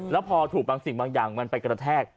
แล้วพอถูกบางสิ่งบางอย่างมันไปกระแทก